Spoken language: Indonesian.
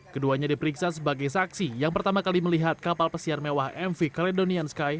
keduanya diperiksa sebagai saksi yang pertama kali melihat kapal pesiar mewah mv caledonian sky